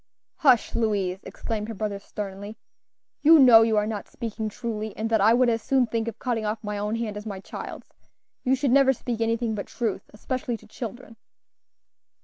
"Hush, Louise!" exclaimed her brother, sternly; "you know you are not speaking truly, and that I would as soon think of cutting off my own hand as my child's. You should never speak anything but truth, especially to children."